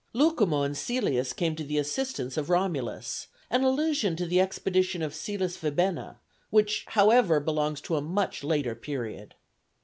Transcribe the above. Lucumo and Cælius came to the assistance of Romulus, an allusion to the expedition of Cæles Vibenna, which however belongs to a much later period.